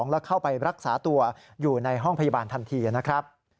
แล้วเข้าไปรักษาตัวอยู่ในห้องพยาบาลทันทีนะครับ